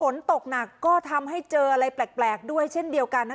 ฝนตกหนักก็ทำให้เจออะไรแปลกด้วยเช่นเดียวกัน